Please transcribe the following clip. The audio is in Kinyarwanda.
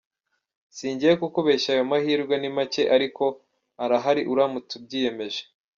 Singiye kukubeshya ayo mahirwe ni make ariko arahari uramutse ubyiyemeje.